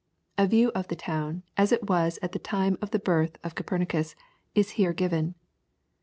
A view of the town, as it was at the time of the birth of Copernicus, is here given.